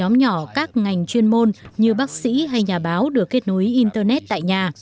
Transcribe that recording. trước đây chỉ có một nhóm nhỏ các ngành chuyên môn như bác sĩ hay nhà báo được kết nối internet tại nhà